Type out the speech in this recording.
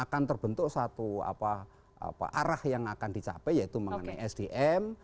akan terbentuk satu arah yang akan dicapai yaitu mengenai sdm